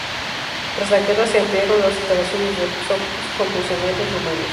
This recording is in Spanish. Tras la guerra, se ampliaron las instalaciones del sovjós con prisioneros rumanos.